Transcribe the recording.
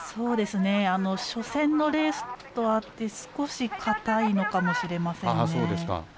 初戦のレースとあって少し硬いのかもしれませんね。